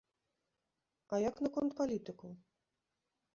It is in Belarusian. А як наконт палітыкаў?